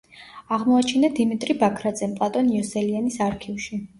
აღმოაჩინა დიმიტრი ბაქრაძემ პლატონ იოსელიანის არქივში.